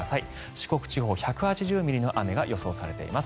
四国地方、１５０ミリの雨が予想されています。